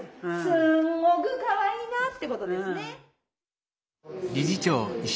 すんごくかわいいなってことですね。